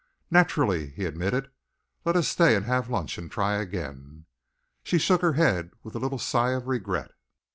"Naturally," he admitted. "Let us stay and have lunch and try again." She shook her head with a little sigh of regret.